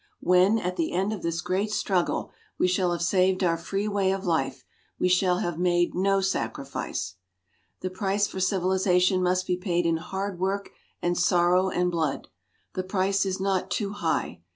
When, at the end of this great struggle we shall have saved our free way of life, we shall have made no "sacrifice." The price for civilization must be paid in hard work and sorrow and blood. The price is not too high.